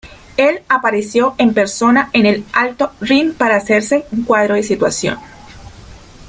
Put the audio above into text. Él apareció en persona en el Alto Rin para hacerse un cuadro de situación.